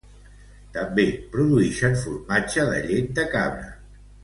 També produïxen formatge de llet de cabra.